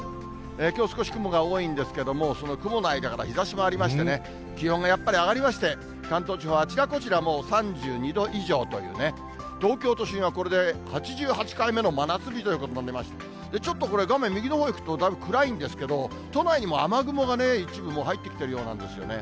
きょう少し雲が多いんですけれども、その雲の間から日ざしもありまして、気温がやっぱり上がりまして、関東地方、あちらこちらもう３２度以上という、東京都心はこれで８８回目の真夏日ということなんで、ちょっとこれ、画面右のほうへいくと、だいぶ暗いんですけど、都内にも雨雲が一部、もう入ってきているようなんですよね。